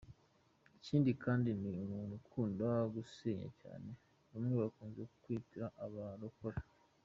Ikindi kandi ni umuntu ukunda gusenga cyane, bamwe bakunze kwita abarokore.